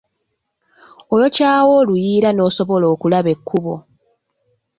Oyokyawo oluyiira n’osobola okulaba ekkubo.